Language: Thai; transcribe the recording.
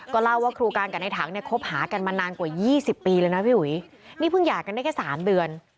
ก็เล่าว่าครูการณ์กับในถังคบหากันมานานกว่า๒๐ปีแล้วนะพี่หอย